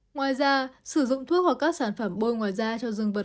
ngoài ra sử dụng thuốc hoặc các sản phẩm bôi ngoài da cho rừng vật